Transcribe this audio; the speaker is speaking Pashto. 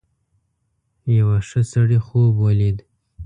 یو ښه سړي خوب ولید.